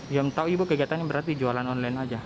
yang tahu ibu kegiatannya berarti jualan online aja